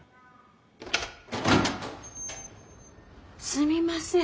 すみません。